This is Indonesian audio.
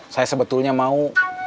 saya sebetulnya mau